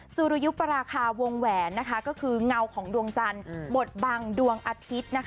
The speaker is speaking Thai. สุริยุปราคาวงแหวนก็คือเงาของดวงจันทร์บทบังดวงอาทิตย์